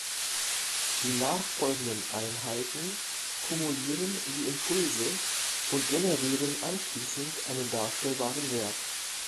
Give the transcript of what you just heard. Die nachfolgenden Einheiten kumulieren die Impulse und generieren anschließend einen darstellbaren Wert.